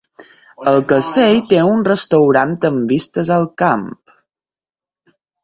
El castell té un restaurant amb vistes al camp.